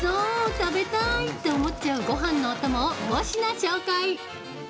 食べたい！って思っちゃうごはんのお供を５品紹介！